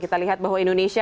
kita lihat bahwa indonesia